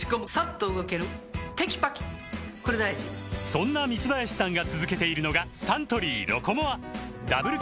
そんな三林さんが続けているのがサントリー「ロコモア」ダブル